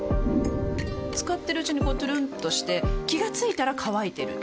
使ってるうちにこうトゥルンとして気が付いたら乾いてる